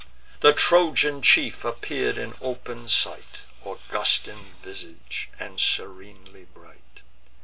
The Trojan chief appear'd in open sight, August in visage, and serenely bright.